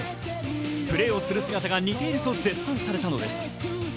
プレーをする姿が似ていると絶賛されたのです。